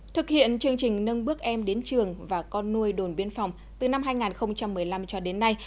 thực hiện chương trình nâng bước em đến trường và con nuôi đồn biên phòng từ năm hai nghìn một mươi năm cho đến nay